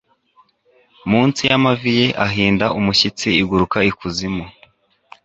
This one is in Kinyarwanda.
Munsi yamavi ye ahinda umushyitsi iguruka ikuzimu